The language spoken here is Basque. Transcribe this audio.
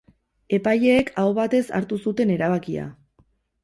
Epaileek aho batez hartu zuten erabakia.